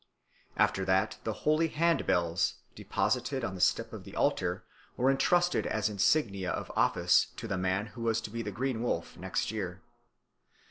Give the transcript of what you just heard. After that the holy hand bells, deposited on the step of the altar, were entrusted as insignia of office to the man who was to be the Green Wolf next year.